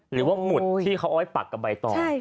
หมุดที่เขาเอาไว้ปักกับใบตอง